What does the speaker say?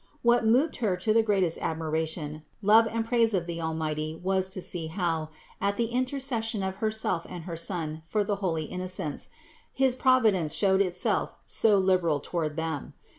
What moved Her to the greatest admiration, love and praise of the Almighty was to see how, at the intercession of Her self and her Son for the holy Innocents, his providence showed itself so liberal toward them.